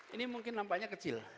ini mungkin nampaknya kecil